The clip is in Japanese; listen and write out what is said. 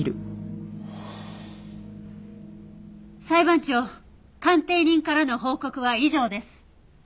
裁判長鑑定人からの報告は以上です。